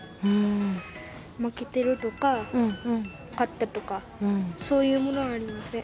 負けてるとか勝ったとかそういうものはありません。